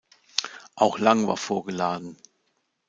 Auch Lang war vorgeladen.